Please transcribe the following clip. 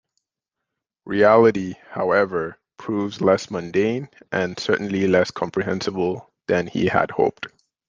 Reality, however, proves less mundane and certainly less comprehensible than he had hoped.